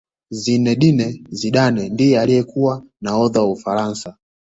zinedine zidane ndiye aliyekuwa nahodha wa ufaransa